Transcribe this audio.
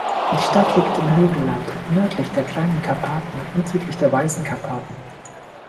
Die Stadt liegt im Hügelland nördlich der Kleinen Karpaten und südlich der Weißen Karpaten.